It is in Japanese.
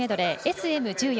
ＳＭ１４